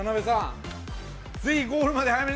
ぜひゴールまで早めに。